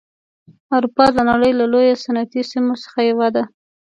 اروپا د نړۍ له لویو صنعتي سیمو څخه یوه ده.